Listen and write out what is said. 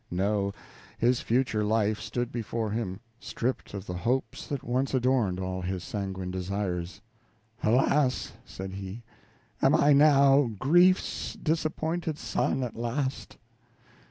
No; his future life stood before him, stripped of the hopes that once adorned all his sanguine desires. "Alas!" said he, "am I now Grief's disappointed son at last."